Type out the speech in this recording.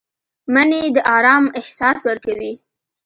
مني د آرام احساس ورکوي